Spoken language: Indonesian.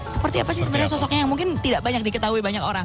seperti apa sih sebenarnya sosoknya yang mungkin tidak banyak diketahui banyak orang